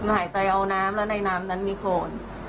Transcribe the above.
หายใจเอาน้ำแล้วในน้ำนั้นมีโคน